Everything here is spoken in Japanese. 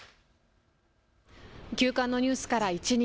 休館のニュースから一日。